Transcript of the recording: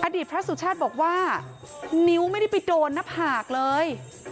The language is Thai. พระสุชาติบอกว่านิ้วไม่ได้ไปโดนหน้าผากเลย